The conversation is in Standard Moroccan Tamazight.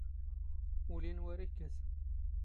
ⵓⵍ ⵉⵏⵓ ⴰⵔ ⵉⴽⴽⴰⵜ.